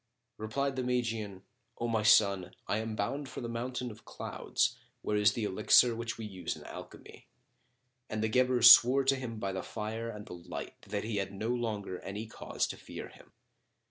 Replied the Magian, "O my son, I am bound for the Mountain of Clouds, where is the Elixir which we use in alchemy." And the Guebre swore to him by the Fire and the Light that he had no longer any cause to fear him.